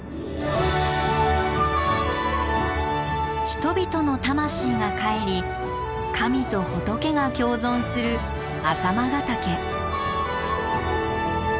人々の魂が還り神と仏が共存する朝熊ヶ岳。